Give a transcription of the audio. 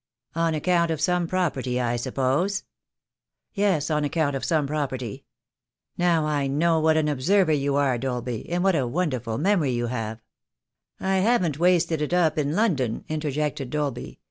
"On account of some property, I suppose?" "Yes, on account of some property. Now, I know what an observer you are, Dolby, and what a wonderful memory you have " "I haven't wasted it up in London," interjected Dolby.